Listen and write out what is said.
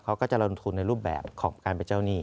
เขาก็จะลงทุนในรูปแบบของการเป็นเจ้าหนี้